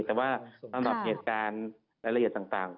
แต่ว่าสำหรับเหตุการณ์รายละเอียดต่าง